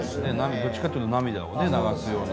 どっちかっていうと涙をね流すような。